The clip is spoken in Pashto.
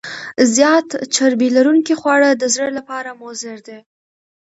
زیات چربي لرونکي خواړه د زړه لپاره مضر دي.